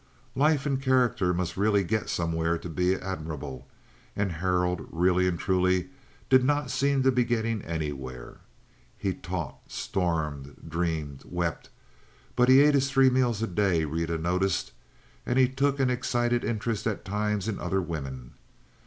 Life and character must really get somewhere to be admirable, and Harold, really and truly, did not seem to be getting anywhere. He taught, stormed, dreamed, wept; but he ate his three meals a day, Rita noticed, and he took an excited interest at times in other women.